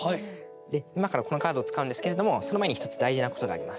で今からこのカードを使うんですけれどもその前に１つ大事なことがあります。